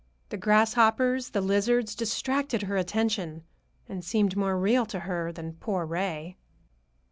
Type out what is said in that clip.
The grasshoppers, the lizards, distracted her attention and seemed more real to her than poor Ray.